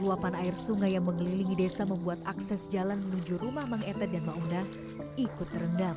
luapan air sungai yang mengelilingi desa membuat akses jalan menuju rumah mang etet dan mauna ikut terendam